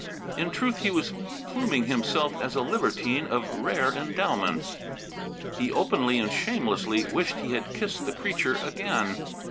In truth he was pluming himself as a libertine of rare endowments. He openly and shamelessly wished he had kissed the creature again.